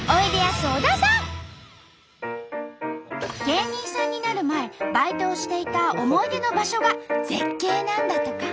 芸人さんになる前バイトをしていた思い出の場所が絶景なんだとか。